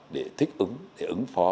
để thích ứng để ứng phó